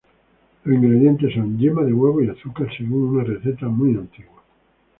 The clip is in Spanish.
Los ingredientes son yema de huevo y azúcar según una receta muy antigua.